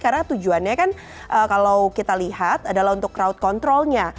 karena tujuannya kan kalau kita lihat adalah untuk crowd control nya